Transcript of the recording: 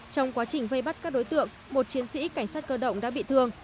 trong quá trình vây bắt các đối tượng một chiến sĩ cảnh sát cơ động đã bị thương